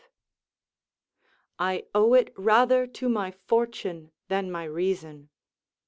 ] I owe it rather to my fortune than my reason.